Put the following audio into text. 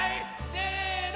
せの！